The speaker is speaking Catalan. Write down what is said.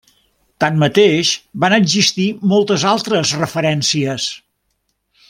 Tanmateix, van existir moltes altres referències.